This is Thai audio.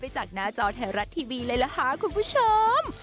จากหน้าจอไทยรัฐทีวีเลยล่ะค่ะคุณผู้ชม